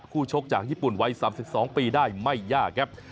ชกจากญี่ปุ่นวัย๓๒ปีได้ไม่ยากครับ